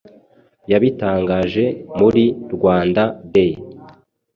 Yabitangaje muri Rwanda day